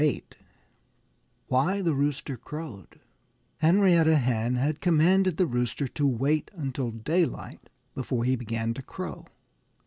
VIII WHY THE ROOSTER CROWED Henrietta Hen had commanded the Rooster to wait until daylight before he began to crow.